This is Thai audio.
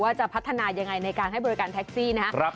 จะพัฒนายังไงในการให้บริการแท็กซี่นะครับ